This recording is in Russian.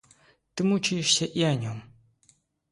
Ты мучаешься и о нем.